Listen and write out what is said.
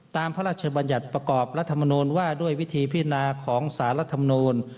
พระราชบัญญัติประกอบรัฐมนูลว่าด้วยวิธีพินาของสารรัฐมนูล